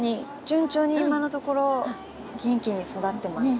順調に今のところ元気に育ってます。